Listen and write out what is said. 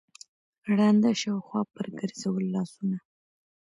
ړانده شاوخوا پر ګرځول لاسونه